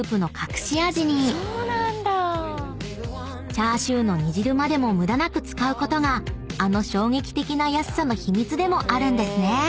［チャーシューの煮汁までも無駄なく使うことがあの衝撃的な安さの秘密でもあるんですね］